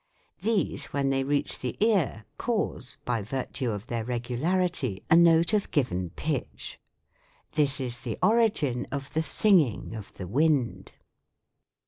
These when they reach the ear cause, by virtue of their regularity, a note of given pitch. This is the origin of the singing of the wind.